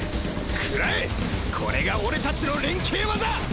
くらえこれが俺たちの連携技